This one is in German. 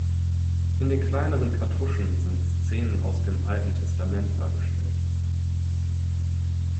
In den kleineren Kartuschen sind Szenen aus dem Alten Testament dargestellt.